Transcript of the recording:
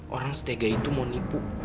orang setega itu mau nipu